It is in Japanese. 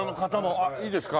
あっいいですか？